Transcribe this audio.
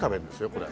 これ。